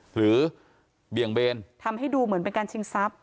เบี่ยงเบนทำให้ดูเหมือนเป็นการชิงทรัพย